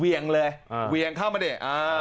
เวียงเลยเวียงเข้ามาดิ